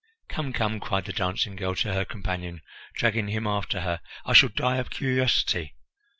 "Come! come!" cried the dancing girl to her companion, dragging him after her, "I shall die of curiosity."